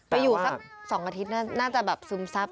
ไปอยู่สัก๒อาทิตย์น่าจะแบบซึมซับ